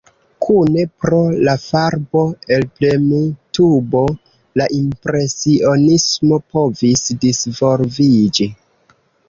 Kune pro la farbo-elpremtubo la impresionismo povis disvolviĝi.